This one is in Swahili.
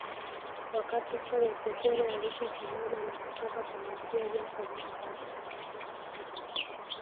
Wakati huo Tetere alishasimama na kutaka kumrukia Jacob Matata